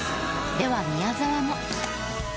では宮沢も。